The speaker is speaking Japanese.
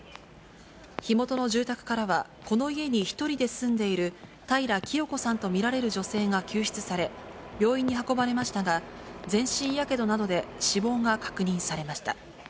火元の住宅からは、この家に１人で住んでいる平きよ子さんと見られる女性が救出され、病院に運ばれましたが、全身やけどなどで死亡が確認されました。